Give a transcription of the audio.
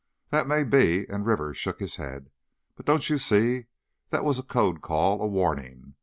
"That may be," and Rivers shook his head; "but, don't you see, that was a code call, a warning.